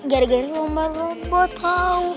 gari garinya lombar robot tau